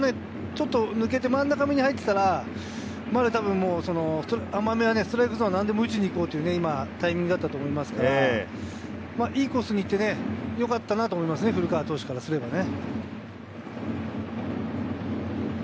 ちょっと抜けて真ん中めに入っていたら、丸、たぶん甘めは、ストライクゾーンは何でも打ちに行こうというタイミングだったと思いますから、いいコースにいってよかったなと思いますね、古川投手からすればね。